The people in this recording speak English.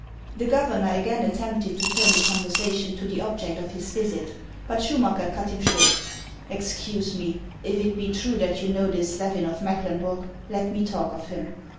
The governor again attempted to turn the conversation to the object of his visit. But Schumacker cut him short. " Excuse me ; if it be true that you know this Levin of Mecklenburg, let me talk of him.